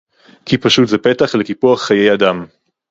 כי פשוט זה פתח לקיפוח חיי אדם